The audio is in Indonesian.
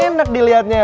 enggak enak dilihatnya